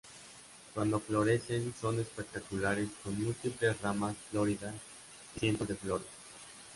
Cuando florecen son espectaculares con múltiples ramas floridas y cientos de flores.